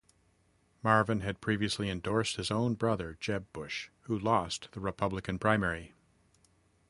Marvin had previously endorsed his own brother Jeb Bush, who lost the Republican primary.